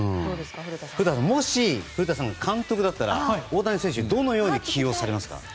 もし、古田さんが監督だったら大谷選手をどのように起用されますか？